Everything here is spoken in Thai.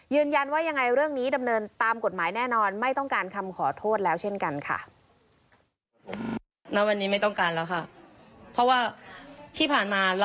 ยังไงเรื่องนี้ดำเนินตามกฎหมายแน่นอนไม่ต้องการคำขอโทษแล้วเช่นกันค่ะ